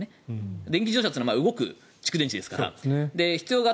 電気自動車は動く蓄電池ですから。